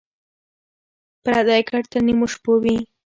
ـ پردى کټ تر نيمو شپو وي.